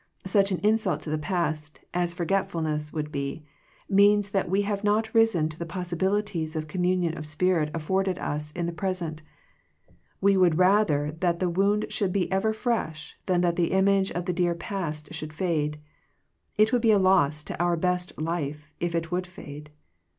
Such an insult to the past, as forgetfulness would be, means that we have not risen to the possibilities of com munion of spirit afforded us in the pres ent. We would rather that the wound should be ever fresh than that the image of the dear past should fade. It would be a loss to our best life if it would fade.